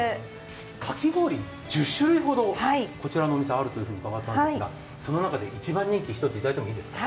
かき氷１０種類ほど、こちらのお店あると伺ったんですが、そんな中で一番人気をいただいてもいいですか。